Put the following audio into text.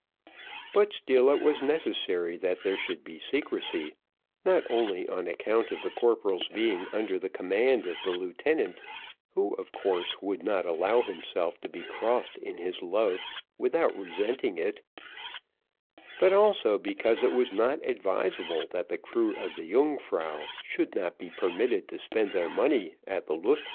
But still it was necessary that there should be secrecy, not only on account of the corporal's being under the command of the lieutenant, who, of course, would not allow himself to be crossed in his love without resenting it, but also, because it was not advisable that the crew of the Yungfrau should not be permitted to spend their money at the Lust Haus.